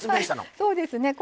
そうですね。